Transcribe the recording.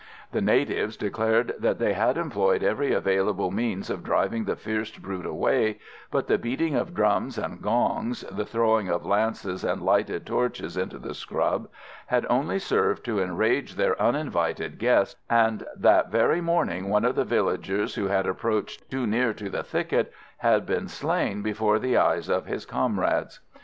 The natives declared that they had employed every available means of driving the fierce brute away, but the beating of drums and gongs, the throwing of lances and lighted torches into the scrub, had only served to enrage their uninvited guest, and that very morning one of the villagers who had approached too near to the thicket, had been slain before the eyes of his comrades.